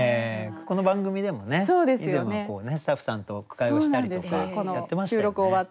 この番組でも以前はスタッフさんと句会をしたりとかやってましたよね。